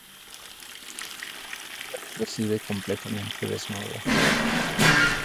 Ella les recibe completamente desnuda.